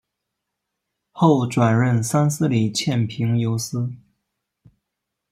后转任三司理欠凭由司。